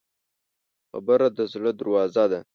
خبره د زړه دروازه ده.